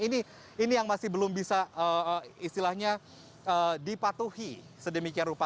ini yang masih belum bisa istilahnya dipatuhi sedemikian rupa